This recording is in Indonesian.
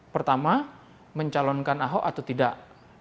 pertama mencalonkan ahok atau tidak